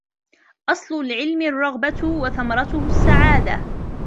أَصْلُ الْعِلْمِ الرَّغْبَةُ وَثَمَرَتُهُ السَّعَادَةُ